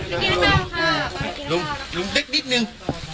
ลุงลุงดึกดิ๊กนึง